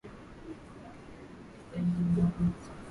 Huyu kijana huwa gaidi wa mapenzi.